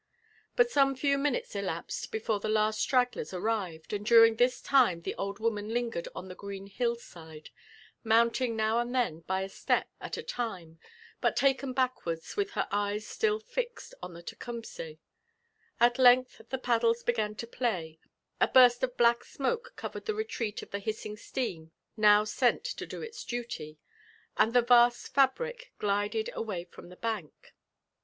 But some few minutes elapsed before the last stragglers arrived, and during this time the old woman lingered on the green hlU's side, mounting now and then by a step at a time, but taken backwards, with her eyes slill fixed on the Tecumseh. At length the paddles began to play, a burst of black smoke covered the retreat of the hissing steam now sent to do its duly, and th%vast fabric glided away from the bank.